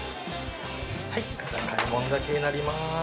はい、こちら、開聞岳になります。